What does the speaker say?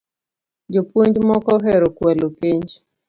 Jopuonj moko ohero kualo penj